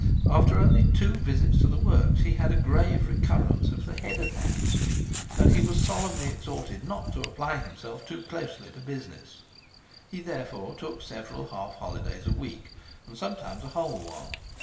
After only two visits to the works he had a grave recurrence of the head attacks, and he was solemnly exhorted not to apply himself too closely to business. He therefore took several half holidays a week, and sometimes a whole one.